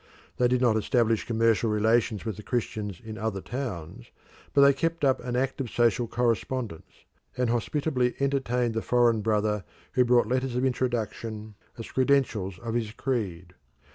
They did not establish commercial relations with the Christians in other towns, but they kept up an active social correspondence, and hospitably entertained the foreign brother who brought letters of introduction as credentials of his creed.